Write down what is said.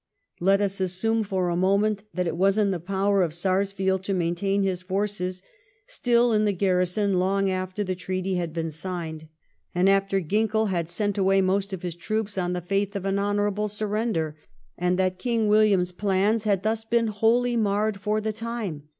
Let us assume for a moment that it was in the power of Sarsfield to maintain his forces still in the garrison long after the treaty had been signed. 1703 AN ADDRESS TO THE QUEEN. 209 and after Ginckell had sent away most of his troops on the faith of an honourable surrender, and that King William's plans had thus been wholly marred for the time.